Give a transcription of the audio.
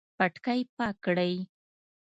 پټکی پاک کړئ